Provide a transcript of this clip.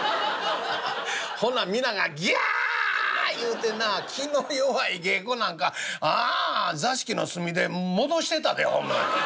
ほな皆が『ギャ』言うてな気の弱い芸子なんかああ座敷の隅で戻してたでホンマに。